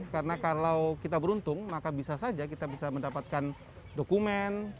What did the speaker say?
karena kalau kita beruntung maka bisa saja kita bisa mendapatkan dokumen